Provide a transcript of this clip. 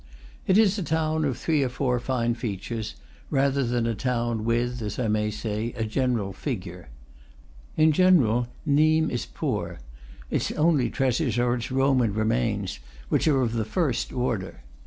It is a town of three or four fine features, rather than a town with, as I may say, a general figure. In general, Nimes is poor; its only treasures are its Roman re mains, which are of the first order.